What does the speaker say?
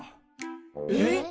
えっ？